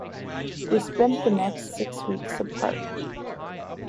They spent the next six weeks apart.